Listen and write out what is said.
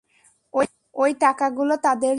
ওই টাকাগুলো তাদের জন্য।